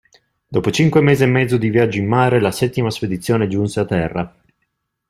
Dopo cinque mesi e mezzo di viaggio in mare, la settima spedizione giunse a terra.